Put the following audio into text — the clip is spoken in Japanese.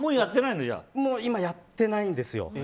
もう今、やってないんですよ。